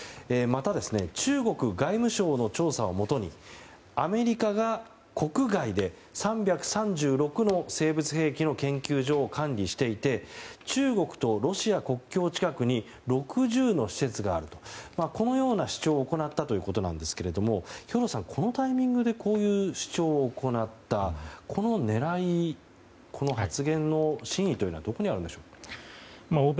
また、中国外務省の調査をもとにアメリカが国外で３３６の生物兵器の研究所を管理していて中国とロシア国境近くに６０の施設があるとこのような主張を行ったということですが兵頭さん、このタイミングでこういう主張を行ったこの狙い、この発言の真意はどこにあるんでしょうか？